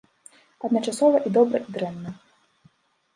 Адначасова і добра, і дрэнна.